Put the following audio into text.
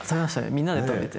みんなで食べて。